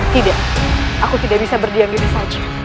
tidak aku tidak bisa berdiam diri saja